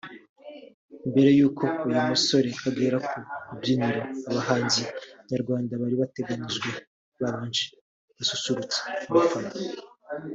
Mbere y’uko uyu musore agera ku rubyiniro abahanzi nyarwanda bari bateganijwe babanje basusurutsa abafana